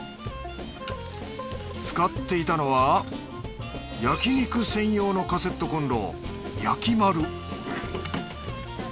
使っていたのは焼肉専用のカセットこんろ